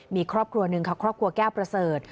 มีครอบครัวหนึ่งค่ะครอบครัวแก้วประเสริฐ